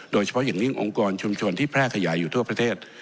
โดยเฉพาะอย่างยิ่งองค์กรชุมชนที่แพร่ขยายอยู่ทั่วประเทศ